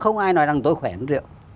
không ai nói rằng tôi khỏe hơn rượu